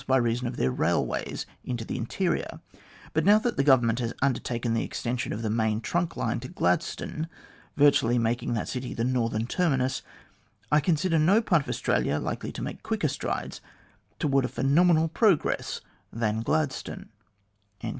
by reason of their railways into the interior, but now that the Government has undertaken the extension of the Main Trunk Line to Gladstone, virtually making that city the northern terminus, I consider no part of Australia likely to make quicker strides towards a phenomenal progress than Gladstone."